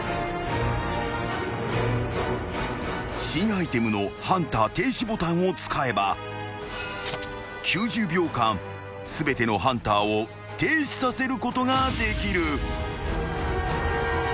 ［新アイテムのハンター停止ボタンを使えば９０秒間全てのハンターを停止させることができる］